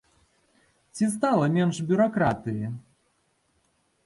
Ці стала менш бюракратыі?